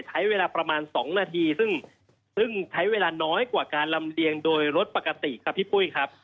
ใช้เวลาประมาณ๒นาทีซึ่งใช้เวลาน้อยกว่าการลำเลียงโดยรถปกติครับพี่ปุ้ยครับ